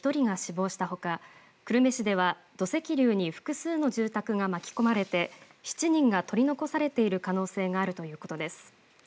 福岡県では添田町で１人が死亡したほか久留米市では土石流に複数の住宅が巻き込まれて７人が取り残されている可能性があるということです。